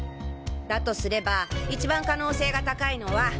だとすれば一番可能性が高いのは。